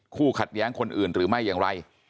คู่ขัดแย้งคนอื่นหรือไม่อย่างไร